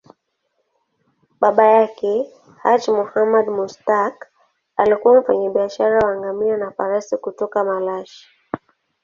Baba yake, Haji Muhammad Mushtaq, alikuwa mfanyabiashara wa ngamia na farasi kutoka Malashi.